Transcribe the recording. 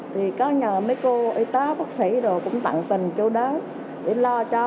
thì có nhờ mấy cô y tế bác sĩ rồi cũng tặng tình chỗ đó để lo cho